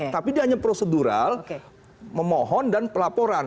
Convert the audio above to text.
tapi dia hanya prosedural memohon dan pelaporan